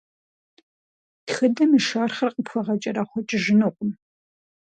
Тхыдэм и шэрхъыр къыпхуегъэкӏэрэхъуэкӏыжынукъым.